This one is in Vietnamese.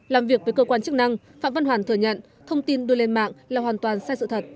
làm việc với cơ quan chức năng phạm văn hoàn thừa nhận thông tin đưa lên mạng là hoàn toàn sai sự thật